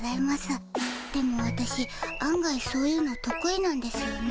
でもわたしあん外そういうのとく意なんですよね。